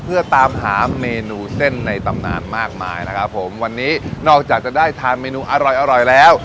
เพื่อตามหาเมนูเส้นในตำนานมากมายนะครับผมวันนี้นอกจากจะได้ทานเมนูอร่อยอร่อยแล้ว